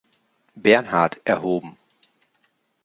Bernhard“ erhoben.